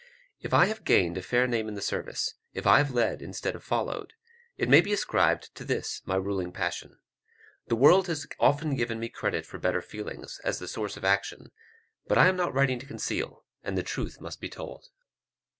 If I have gained a fair name in the service, if I have led instead of followed, it must be ascribed to this my ruling passion. The world has often given me credit for better feelings, as the source of action, but I am not writing to conceal, and the truth must be told.